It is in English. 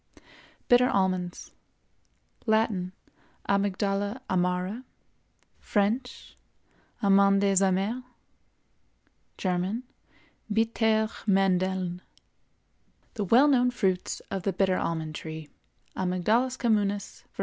BITTER ALMONDS. Latin—Amygdala amara; French—Amandes amères; German—Bittere Mandeln. The well known fruits of the bitter almond tree (Amygdalus communis, var.